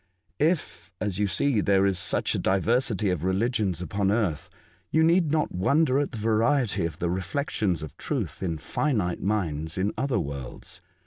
If, as you see, there is such a diversity of religions upon earth, you need not wonder at the variety of the reflections of truth in finite minds in other worlds.